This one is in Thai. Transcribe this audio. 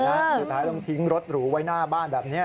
สุดท้ายต้องทิ้งรถหรูไว้หน้าบ้านแบบนี้